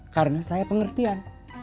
karena saya pengertian